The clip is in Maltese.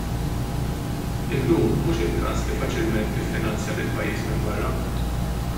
Illum mhux il-każ li faċilment tiffinanzja lill-pajjiż minn barra.